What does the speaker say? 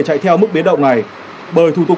chạy theo mức biến động này bởi thủ tục